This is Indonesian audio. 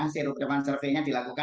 sirup sirupan surveinya dilakukan